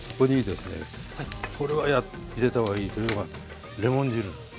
これは入れた方がいいというのがレモン汁。